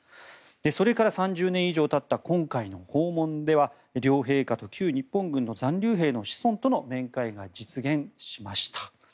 それから３０年以上たった今回の訪問では両陛下と旧日本軍の残留兵の子孫との面会が実現しました。